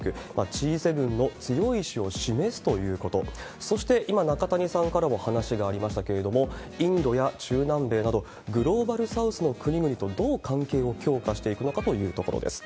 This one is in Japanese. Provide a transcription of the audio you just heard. Ｇ７の強い意志を示すということ、そして今、中谷さんからも話がありましたけれども、インドや中南米など、グローバルサウスの国々とどう関係を強化していくのかというところです。